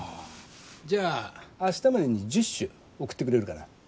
じゃあ明日までに１０首送ってくれるかな。